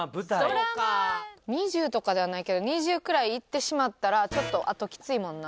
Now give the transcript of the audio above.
２０とかではないけど２０くらいいってしまったらちょっとあときついもんな。